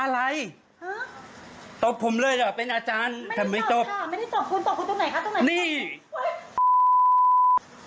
อะไรตกผมเลยเหรอเป็นอาจารย์ทำไมตกไม่ได้ตกค่ะไม่ได้ตก